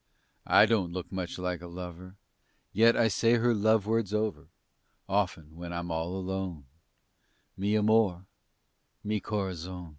I don't look much like a lover, Yet I say her love words over Often when I'm all alone "Mi amor, mi corazon."